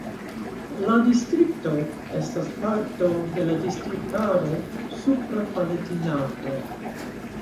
La distrikto estas parto de la distriktaro Supra Palatinato.